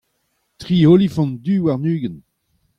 tri olifant du warn-ugent.